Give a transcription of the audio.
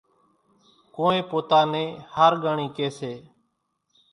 ڪونئين پوتا نين ۿارڳانڻِي ڪيَ سي۔